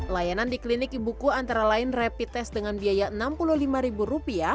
layanan di klinik ibuku antara lain rapid test dengan biaya rp enam puluh lima